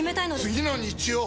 次の日曜！